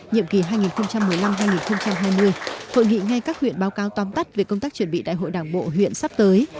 nhiệm kỳ hai nghìn một mươi năm hai nghìn hai mươi hội nghị ngay các huyện báo cáo tóm tắt về công tác chuẩn bị đại hội đảng bộ huyện sắp tới